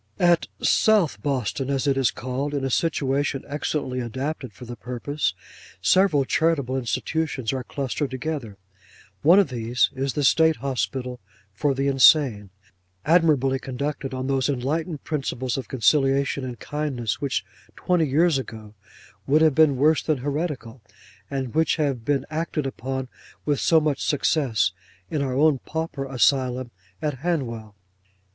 At SOUTH BOSTON, as it is called, in a situation excellently adapted for the purpose, several charitable institutions are clustered together. One of these, is the State Hospital for the insane; admirably conducted on those enlightened principles of conciliation and kindness, which twenty years ago would have been worse than heretical, and which have been acted upon with so much success in our own pauper Asylum at Hanwell.